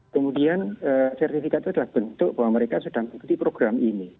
kemudian sertifikat itu adalah bentuk bahwa mereka sudah mengikuti program ini